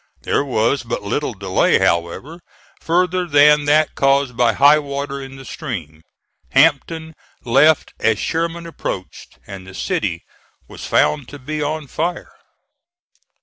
There was but little delay, however, further than that caused by high water in the stream. Hampton left as Sherman approached, and the city was found to be on fire.